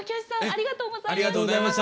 ありがとうございます。